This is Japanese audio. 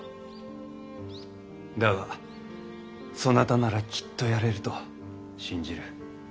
だがそなたならきっとやれると信じる。